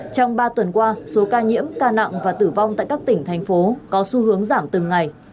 trong ba tuần qua số ca nhiễm ca nặng và tử vong tại các tỉnh thành phố có xu hướng giảm từng ngày